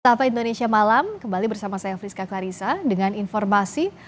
tapa indonesia malam kembali bersama saya friska clarissa dengan informasi